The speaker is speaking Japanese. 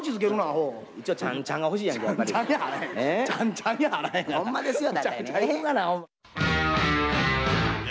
ほんまですよ。